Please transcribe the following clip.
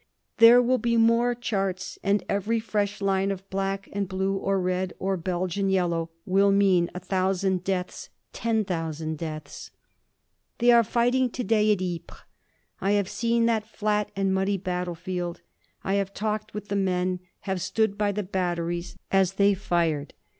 There will be more charts, and every fresh line of black or blue or red or Belgian yellow will mean a thousand deaths, ten thousand deaths. They are fighting to day at Ypres. I have seen that flat and muddy battlefield. I have talked with the men, have stood by the batteries as they fired.